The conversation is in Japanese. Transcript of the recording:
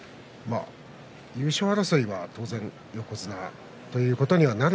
優勝争いは、当然横綱ということにはなると。